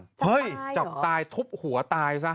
จะตายเหรอจับตายทุบหัวตายซะ